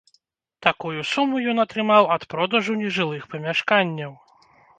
Такую суму ён атрымаў ад продажу нежылых памяшканняў.